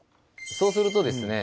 そうするとですね